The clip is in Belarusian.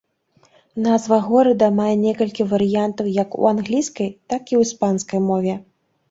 Назва горада мае некалькі варыянтаў як у англійскай, так і ў іспанскай мове.